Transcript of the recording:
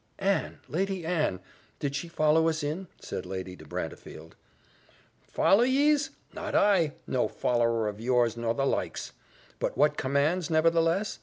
"Anne! Lady Anne! Did she follow us in?" said Lady de Brantefield. "Follow yees! not I! no follower of yours nor the likes. But what commands, nevertheless?